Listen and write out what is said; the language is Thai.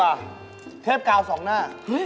ถ้าเป็นปากถ้าเป็นปาก